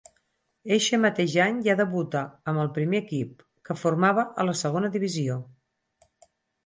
Eixe mateix any ja debuta amb el primer equip, que formava a la Segona Divisió.